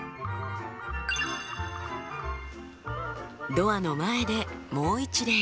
ドアの前でもう一礼。